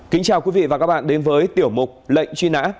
kính chào quý vị và các bạn đến với tiểu mục lệnh truy nã